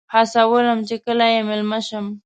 هڅولم چې کله یې میلمه شم.